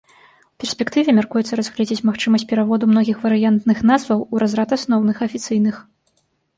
У перспектыве мяркуецца разгледзець магчымасць пераводу многіх варыянтных назваў у разрад асноўных, афіцыйных.